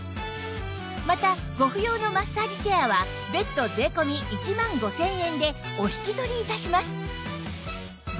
またご不要のマッサージチェアは別途税込１万５０００円でお引き取り致します